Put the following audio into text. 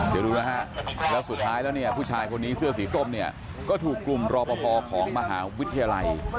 เดี๋ยวดูนะฮะแล้วสุดท้ายแล้วเนี่ยผู้ชายคนนี้เสื้อสีส้มเนี่ยก็ถูกกลุ่มรอปภของมหาวิทยาลัย